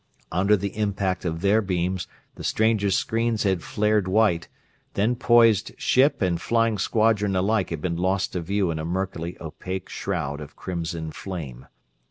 Under the impact of their beams the stranger's screens had flared white, then poised ship and flying squadron alike had been lost to view in a murkily opaque shroud of crimson flame.